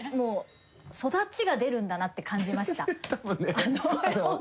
育ちが出るんだなって感じました。